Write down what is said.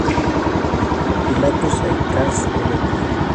Pilatus Aircraft Ltd.